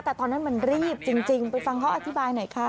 แต่ตอนนั้นมันรีบจริงไปฟังเขาอธิบายหน่อยค่ะ